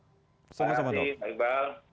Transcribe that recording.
terima kasih mbak iqbal